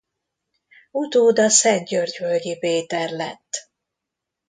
Utóda Szentgyörgyvölgyi Péter lett.